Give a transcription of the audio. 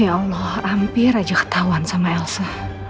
ya allah rampir aja ketahuan sama elsa